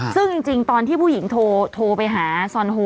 ซึ่งจริงตอนที่ผู้หญิงโทรไปหาซอนโฮ